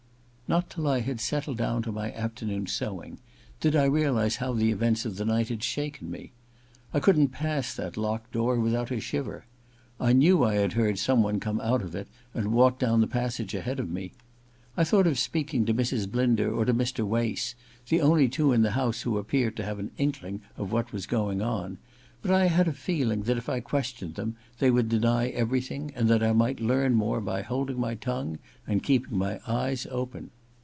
Not till I had settled down to my afternoon's sewing did I realize how the events of the night had shaken me. I couldn't pass that locked door without a shiver. I knew I had heard 144 THE LADY'S MAID'S BELL iii someone come out of it, and walk down the passage ahead of me. I thought of speaking to Mrs. Blinder or to Mr. Wace, the only two in the house who appeared to have an inkling of what was going on, but I had a feeling that if I questioned them they would deny everything, and that I might learn more by holding my tongue and keeping my eyes open.